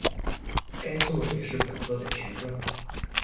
该作也是本作的前传。